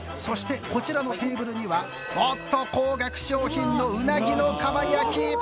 そしてこちらのテーブルにはおっと高額商品のうなぎの蒲焼き。